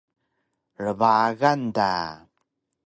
Rbagan da!